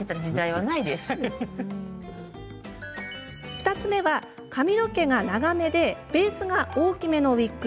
２つ目は、髪の毛が長めでベースが大きめのウイッグ。